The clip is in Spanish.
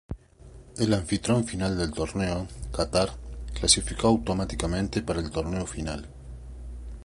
El anfitrión final del torneo, Qatar clasificó automáticamente para el torneo final.